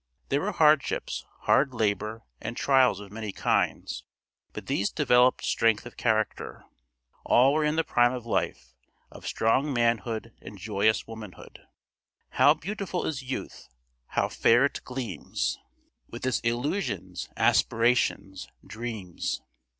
There were hardships, hard labor and trials of many kinds, but these developed strength of character. All were in the prime of life, of strong manhood and joyous womanhood. "How beautiful is youth, how fair it gleams, with its illusions, aspirations, dreams."